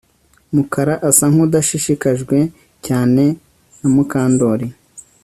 Mukara asa nkudashishikajwe cyane na Mukandoli